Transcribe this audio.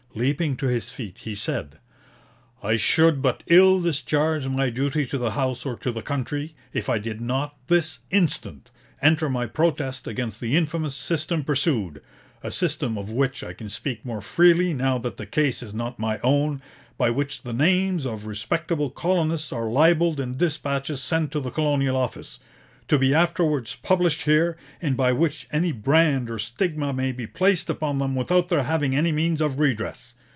Leaping to his feet, he said: 'I should but ill discharge my duty to the House or to the country, if I did not, this instant, enter my protest against the infamous system pursued (a system of which I can speak more freely, now that the case is not my own), by which the names of respectable colonists are libelled in dispatches sent to the Colonial Office, to be afterwards published here, and by which any brand or stigma may be placed upon them without their having any means of redress.